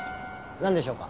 なんでしょうか？